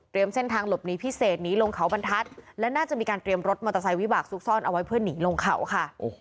เส้นทางหลบหนีพิเศษหนีลงเขาบรรทัศน์และน่าจะมีการเตรียมรถมอเตอร์ไซค์วิบากซุกซ่อนเอาไว้เพื่อหนีลงเขาค่ะ